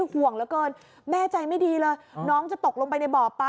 ห่วงเหลือเกินแม่ใจไม่ดีเลยน้องจะตกลงไปในบ่อปลา